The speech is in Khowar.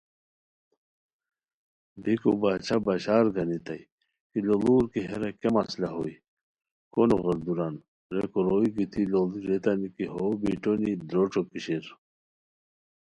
بیکو باچھا بشار گانیتائے کی لوڑور کی ہیرا کیہ مسئلہ ہوئے کو نو غیردوران! ریکو روئے گیتی لوڑی ریتانی کی ہو بیٹونی درو ݯوکی شیر